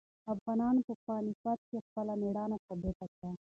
افغانانو په پاني پت کې خپله مېړانه ثابته کړه.